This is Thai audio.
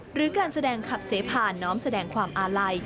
หรือการแสดงขับเสพาน้อมแสดงความอาลัย